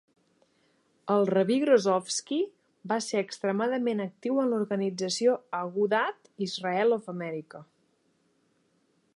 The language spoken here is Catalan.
El rabí Grozovsky va ser extremadament actiu en l'organització Agudath Israel of America.